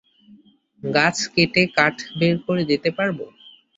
গাছ কেটে কাঠ বের করে দিতে পারব।